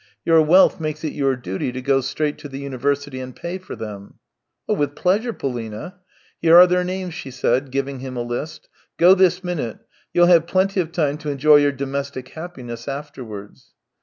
Your wealth makes it your duty to go straight to the university and pay for them." " With pleasure, Polina." " Here are their names." she said, giving him a list. " Go this minute; you'll have plenty of time to enjoy your domestic happiness afterwards."